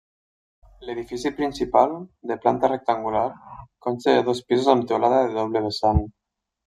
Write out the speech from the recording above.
L'edifici principal, de planta rectangular, consta de dos pisos amb teulada de doble vessant.